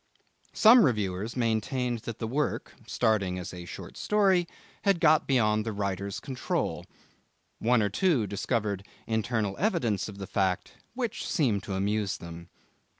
Some reviewers maintained that the work starting as a short story had got beyond the writer's control. One or two discovered internal evidence of the fact, which seemed to amuse them.